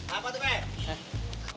apa tuh peh